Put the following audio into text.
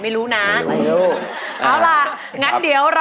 คุณผู้ชมอินโทรเพลงที่สี่มาได้เลยครับ